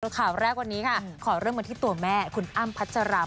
รูปข่าวแรกวันนี้ขอเรื่องกันที่ตัวแม่คุณอำพัชราภา